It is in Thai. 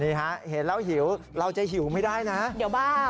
เห็นแล้วหิวเราจะหิวไม่ได้นะเดี๋ยวบ้า